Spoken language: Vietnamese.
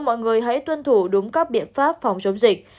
mọi người hãy tuân thủ đúng các biện pháp phòng chống dịch